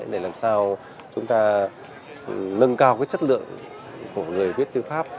để làm sao chúng ta nâng cao cái chất lượng của người viết thư pháp